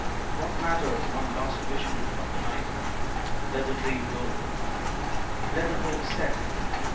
What matters one lost vision of the night? Let the dream go! Let the hope set.